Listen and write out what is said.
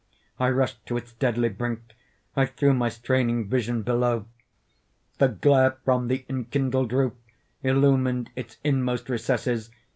I rushed to its deadly brink. I threw my straining vision below. The glare from the enkindled roof illumined its inmost recesses.